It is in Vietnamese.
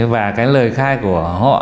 và cái lời khai của họ